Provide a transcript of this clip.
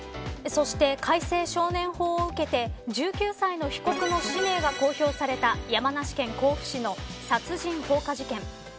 そして、改正少年法を受けて１９歳の被告の氏名が公表された山梨県甲府市の殺人放火事件。